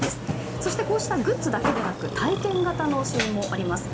そしてこうしたグッズだけではなく体験型の支援もあります。